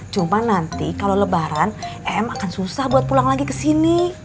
cuma nanti kalau lebaran em akan susah buat pulang lagi ke sini